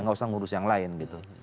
nggak usah ngurus yang lain gitu